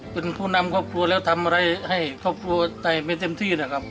เป็นผู้นำครอบครัวแล้วทำอะไรให้ครอบครัวได้ไม่เต็มที่นะครับ